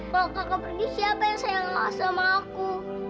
kalau kakak pergi siapa yang sayang gak sama aku